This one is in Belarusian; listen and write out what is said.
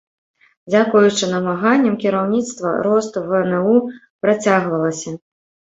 Дзякуючы намаганням кіраўніцтва рост вну працягвалася.